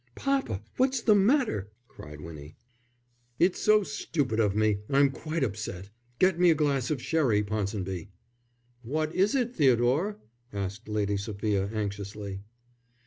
"Papa, what's the matter?" cried Winnie. "It's so stupid of me, I'm quite upset. Get me a glass of sherry, Ponsonby." "What is it, Theodore?" asked Lady Sophia, anxiously.